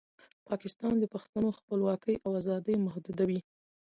پاکستان د پښتنو خپلواکۍ او ازادۍ محدودوي.